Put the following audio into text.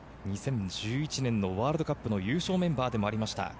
２０１１年のワールドカップの優勝メンバーでもありました。